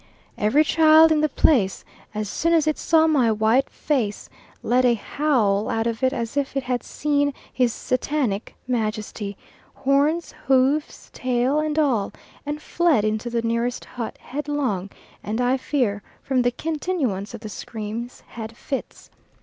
Every child in the place as soon as it saw my white face let a howl out of it as if it had seen his Satanic Majesty, horns, hoofs, tail and all, and fled into the nearest hut, headlong, and I fear, from the continuance of the screams, had fits.